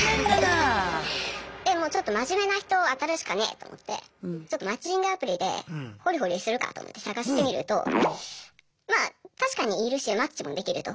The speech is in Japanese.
でもうちょっと真面目な人を当たるしかねぇと思ってちょっとマッチングアプリで掘り掘りするかと思って探してみるとまあ確かにいるしマッチもできると。